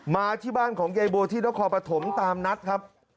มาที่บ้านของยายบัวที่นครปฐมตามนัดครับ